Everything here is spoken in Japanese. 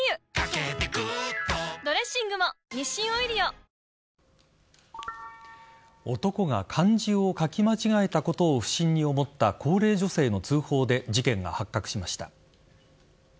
李容疑者は過去に男が漢字を書き間違えたことを不審に思った高齢女性の通報で事件が発覚しました。